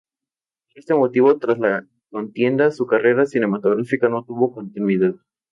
Por este motivo, tras la contienda su carrera cinematográfica no tuvo continuidad.